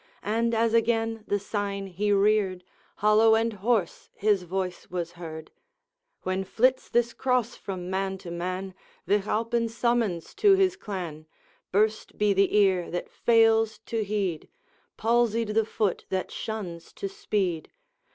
And, as again the sign he reared, Hollow and hoarse his voice was heard: 'When flits this Cross from man to man, Vich Alpine's summons to his clan, Burst be the ear that fails to heed! Palsied the foot that shuns to speed!